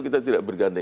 kita bisa bangun negeri